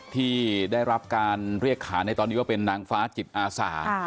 ที่ได้รับการเรียกขาในตอนนี้ว่าเป็นนางฟ้าจิตอาสา